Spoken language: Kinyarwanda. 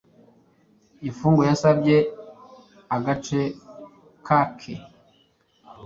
Imfungwa yasabye agace kake.